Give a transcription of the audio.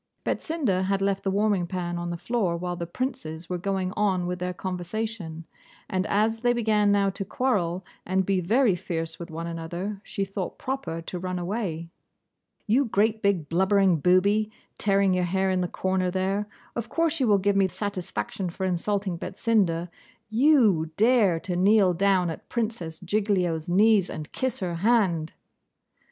Betsinda had left the warming pan on the floor while the princes were going on with their conversation, and as they began now to quarrel and be very fierce with one another, she thought proper to run away. 'You great big blubbering booby, tearing your hair in the corner there; of course you will give me satisfaction for insulting Betsinda. YOU dare to kneel down at Princess Giglio's knees and kiss her hand!